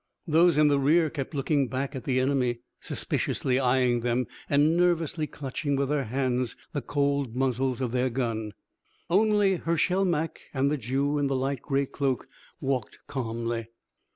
Those in the rear kept looking back at the enemy, suspiciously eyeing them, and nervously clutching with their hands the cold muzzles of their guns. Only Hershel Mak and the Jew in the light grey cloak walked calmly.